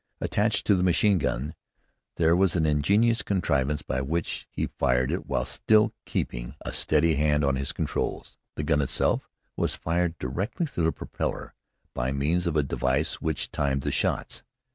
Attached to the machine gun, there was an ingenious contrivance by means of which he fired it while still keeping a steady hand on his controls. The gun itself was fired directly through the propeller by means of a device which timed the shots.